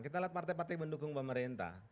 kita lihat partai partai pendukung pemerintah